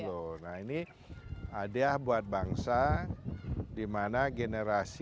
pembicara empat puluh tiga nah ini adiah buat bangsa di mana generasi